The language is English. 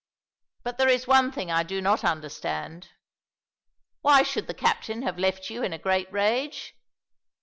But there is one thing I do not understand. Why should the captain have left you in a great rage?